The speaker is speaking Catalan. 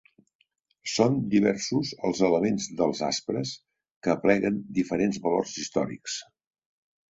Són diversos els elements dels Aspres que apleguen diferents valors històrics.